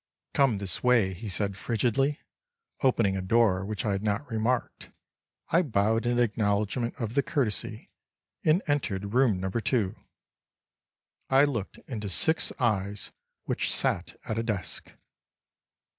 "Come this way," he said frigidly, opening a door which I had not remarked. I bowed in acknowledgment of the courtesy, and entered room number 2. I looked into six eyes which sat at a desk.